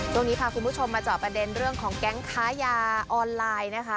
ช่วงนี้พาคุณผู้ชมมาเจาะประเด็นเรื่องของแก๊งค้ายาออนไลน์นะคะ